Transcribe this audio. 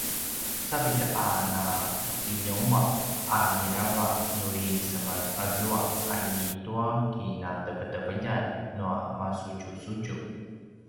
savid a nakiljengua’ a mirava nuri semaazua a i tua kinateveteveljan nua masudjusudju